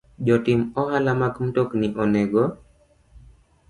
Jotim ohala mag mtokni onego